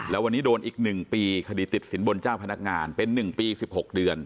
แล้ววันนี้โดนอีก๑ปีคดีติดสินบนเจ้าพนักงานเป็น๑ปี๑๖เดือน